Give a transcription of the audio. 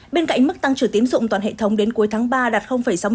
bên cạnh mức tăng trưởng tiến dụng toàn hệ thống đến cuối tháng ba đạt sáu mươi tám